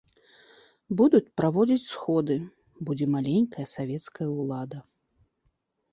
Будуць праводзіць сходы, будзе маленькая савецкая ўлада.